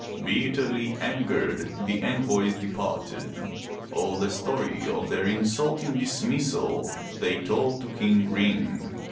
Bitterly angered, the envoys departed. All the story of their insulting dismissal they told to King Ring.